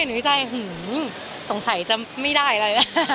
หนูจะหือสงสัยจะไม่ได้อะไร